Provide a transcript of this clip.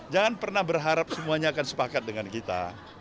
jangan pernah berharap semuanya akan sepakat dengan kita